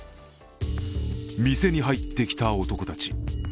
店に入ってきた男たち。